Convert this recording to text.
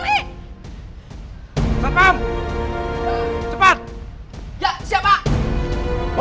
saya yang akan nuntut kamu dan papa kamu